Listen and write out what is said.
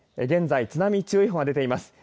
現在、津波注意報が出ています。